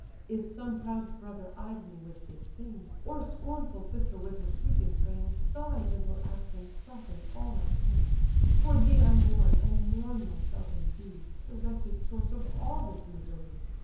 If some proud brother eyed me with disdain, Or scornful sister with her sweeping train, Thy gentle accents soften'd all my pain. For thee I mourn, and mourn myself in thee, The wretched source of all this misery.